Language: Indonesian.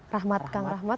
rahmat kang rahmat